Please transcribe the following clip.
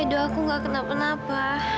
edo aku gak kenapa napa